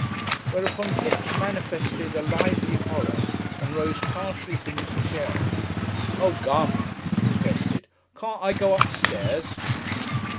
Whereupon Kipps manifested a lively horror and rose partially from his chair. "O Gum!" he protested. "Carn't I go upstairs?"